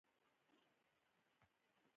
زما د پلار خبره څرګنده نه وه